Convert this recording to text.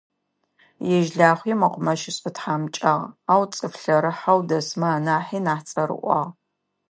Ежь Лахъуи мэкъумэщышӏэ тхьамыкӏагъ, ау цӏыф лъэрыхьэу дэсмэ анахьи нахь цӏэрыӏуагъ.